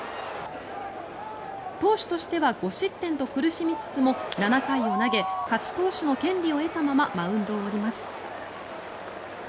投手としては５失点と苦しみつつも、７回を投げ勝ち投手の権利を得たままマウンドを降ります。